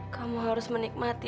kamu harus menikmati